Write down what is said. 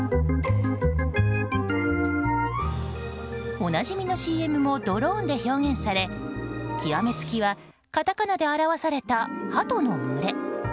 おなじみのＣＭもドローンで表現され極めつきはカタカナで表されたハトの群れ。